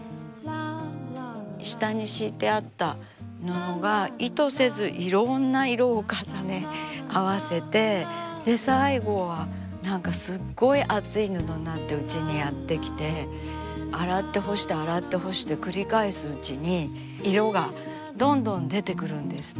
下に敷いてあった布が意図せずいろんな色を重ね合わせて最後は何かすっごい厚い布になってうちにやって来て洗って干して洗って干してを繰り返すうちに色がどんどん出てくるんですね。